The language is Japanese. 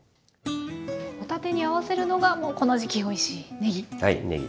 帆立てに合わせるのがこの時期おいしいねぎ。